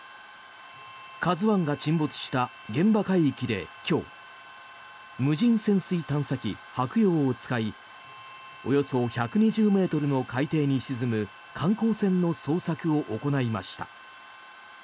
「ＫＡＺＵ１」が沈没した現場海域で今日無人潜水探査機「はくよう」を使いおよそ１２０ｍの海底に沈む観光船の捜索を行いました。